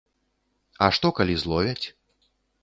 А што, калі зловяць?